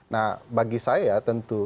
nah bagi saya tentu